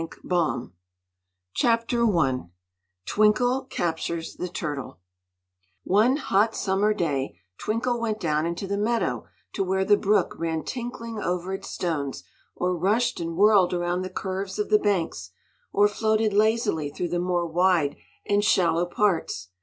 250 Chapter I Twinkle Captures the Turtle ONE hot summer day Twinkle went down into the meadow to where the brook ran tinkling over its stones or rushed and whirled around the curves of the banks or floated lazily through the more wide and shallow parts.